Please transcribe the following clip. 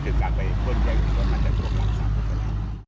ก็ติดตามไปก้นแย่งจิงรถของการตรวจสอบกันได้